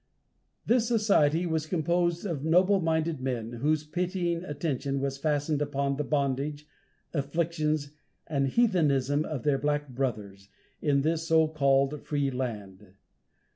This society was composed of noble minded men whose pitying attention was fastened upon the bondage, afflictions and heathenism of their black brothers, in this so called free land.